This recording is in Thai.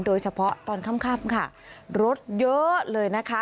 โดยเฉพาะตอนค่ำค่ะรถเยอะเลยนะคะ